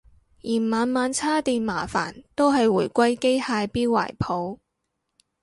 嫌晚晚叉電麻煩都係回歸機械錶懷抱